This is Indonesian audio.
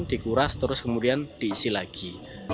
dikuras terus kemudian diisi lagi